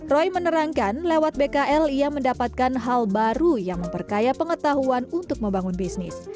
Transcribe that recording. roy menerangkan lewat bkl ia mendapatkan hal baru yang memperkaya pengetahuan untuk membangun bisnis